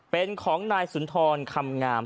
เป็นของนายสุนทรคำงาม